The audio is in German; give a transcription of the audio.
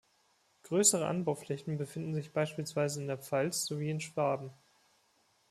Größere Anbauflächen befinden sich beispielsweise in der Pfalz sowie in Schwaben.